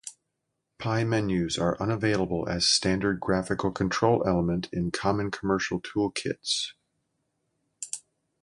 Pie menus are unavailable as standard graphical control element in common commercial toolkits.